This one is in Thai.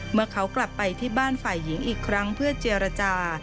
เมื่อเขากลับไปที่บ้านฝ่ายหญิงอีกครั้งเพื่อเจรจา